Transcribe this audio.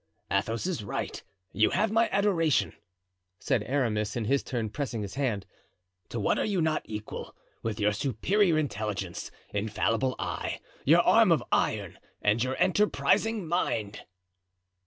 "Athos is right—you have my adoration," said Aramis, in his turn pressing his hand. "To what are you not equal, with your superior intelligence, infallible eye, your arm of iron and your enterprising mind!"